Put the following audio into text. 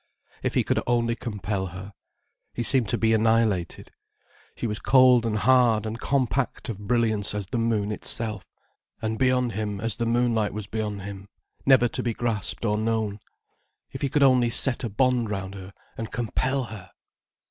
If he could only compel her. He seemed to be annihilated. She was cold and hard and compact of brilliance as the moon itself, and beyond him as the moonlight was beyond him, never to be grasped or known. If he could only set a bond round her and compel her!